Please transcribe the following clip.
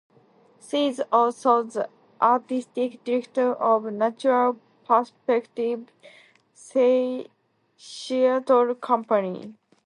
She is also the artistic director of Natural Perspective Theatre Company.